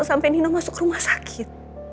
sampai nino masuk rumah sakit